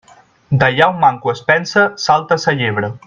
D'allà on manco es pensa, salta sa llebre.